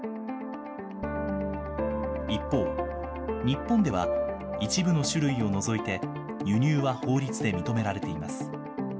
一方、日本では一部の種類を除いて、輸入は法律で認められています。